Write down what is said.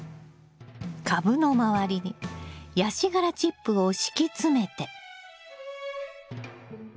株の周りにヤシ殻チップを敷き詰めて。